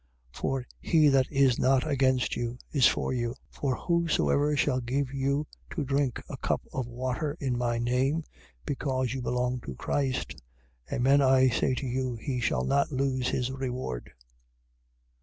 9:39. For he that is not against you is for you. 9:40. For whosoever shall give you to drink a cup of water in my name, because you belong to Christ: amen I say to you, he shall not lose his reward.